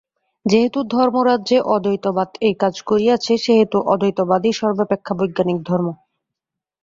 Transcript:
যেহেতু ধর্মরাজ্যে অদ্বৈতবাদ এই কাজ করিয়াছে, সেই হেতু অদ্বৈতবাদই সর্বাপেক্ষা বৈজ্ঞানিক ধর্ম।